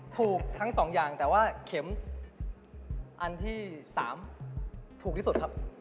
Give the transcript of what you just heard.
ถูกทั้งสองอย่างแต่ว่าเข็มอันที่๓ถูกที่สุดครับ